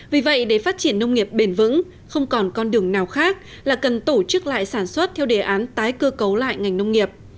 vì vậy để phát triển nông nghiệp bền vững không còn con đường nào khác là cần tổ chức lại sản xuất theo đề án tái cơ cấu lại ngành nông nghiệp